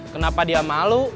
kenapa dia malu